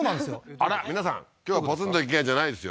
あら皆さん今日はポツンと一軒家じゃないですよ